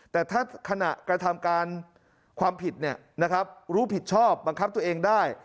แต่ถ้าขณะกระทำการความผิดรู้ผิดชอบบังคับตัวเองได้